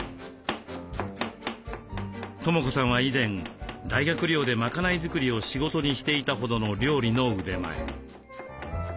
知子さんは以前大学寮で賄い作りを仕事にしていたほどの料理の腕前。